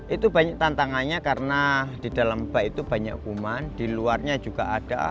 itu banyak tantangannya karena di dalam bak itu banyak kuman di luarnya juga ada